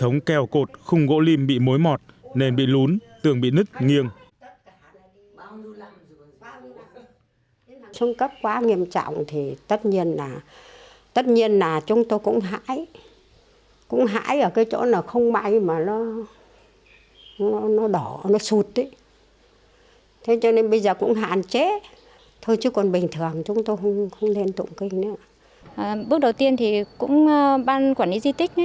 nên bị mối mọt nền bị lún tường bị nứt nghiêng